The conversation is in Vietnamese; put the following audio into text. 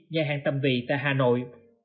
nhà hàng tầm vì tại hà nội